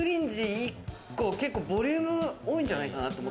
油淋鶏１個結構ボリューム多いんじゃないかなって。